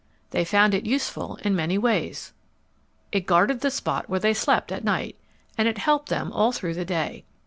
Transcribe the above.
They found it useful in many ways. It guarded the spot where they slept at night, and it helped them all through the day.